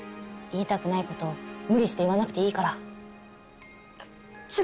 言いたくないことを無理して言わなくていいからえっ違・・